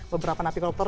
beberapa napi koruptor